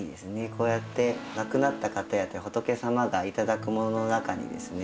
こうやって亡くなった方や仏様が頂くものの中にですね